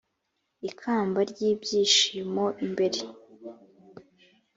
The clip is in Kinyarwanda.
ikamba ry ibyishimo imbere